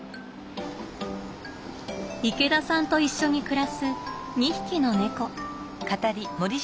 池田さんと一緒に暮らす２匹の猫。